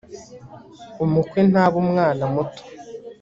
umukwe ntaba umwana muto